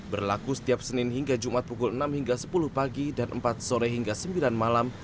berlaku setiap senin hingga jumat pukul enam hingga sepuluh pagi dan empat sore hingga sembilan malam